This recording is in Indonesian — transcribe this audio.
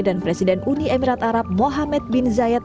dan presiden uni emirat arab muhammad bin zayed